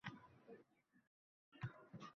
Birovlar ochadi uni ermakka